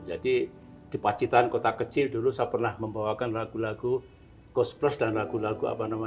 jadi di pacitan kota kecil dulu saya pernah membawakan lagu lagu cosplus dan lagu lagu beatles